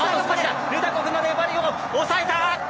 ルダコフの粘りを抑えた！